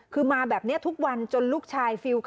คือมาแบบเนี่ยทุกวันจนลูกชายฟีล์ขาด